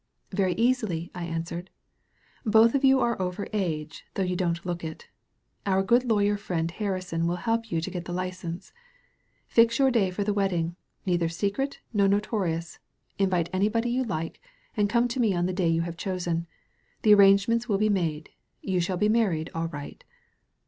"Very easily," I answered. "Both of you are over age, though you don't look it. Our good lawyer friend Harrison will help you to get the license. Fix your day for the wedding, neither secret nor notorious; invite anybody you like, and come to me on the day you have chosen. The arrangements will be made. You shall be married, all right."